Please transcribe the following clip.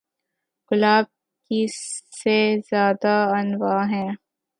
گلاب کی سے زیادہ انواع ہیں